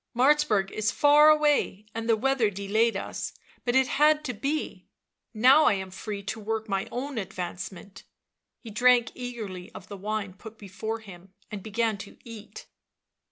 Martzburg is far away and the weather delayed us, but it had to be ; now I am free to work my own advancement." He drank eagerly of the wine put before him, and begaii to eat.